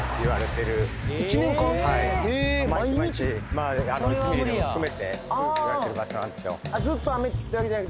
まあ１ミリでも含めて言われてる場所なんですよ